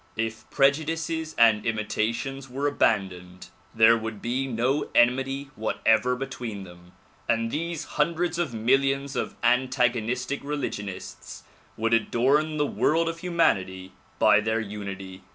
If prejudices and imitations were abandoned there would be no enmity whatever between them, and these hundreds of millions of antagonistic religionists would adorn the world of humanity by their unity.